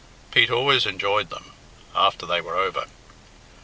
Pete always enjoyed them after they were over.